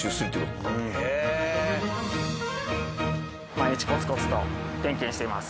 毎日コツコツと点検しています。